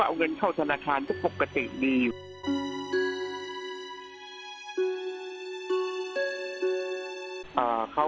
แล้วบางใกล้คนยังเกี่ยวแน่ต่างหมาจะน้ำทองงานมาตัวกาล